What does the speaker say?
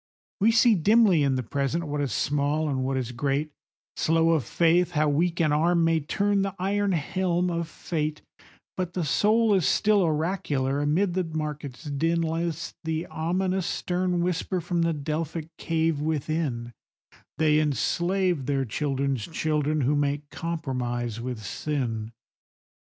We see dimly in the Present what is small and what is great, Slow of faith how weak an arm may turn the iron helm of fate, But the soul is still oracular; amid the market's din, List the ominous stern whisper from the Delphic cave within,— 'They enslave their children's children who make compromise with sin.